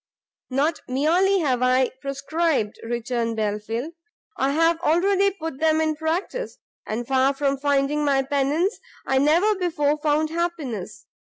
"Not merely have I prescribed," returned Belfield, "I have already put them in practice; and far from finding any pennance, I never before found happiness.